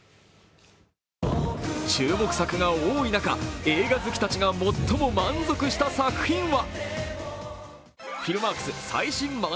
注目作が多い中、映画好きたちが最も満足した作品は？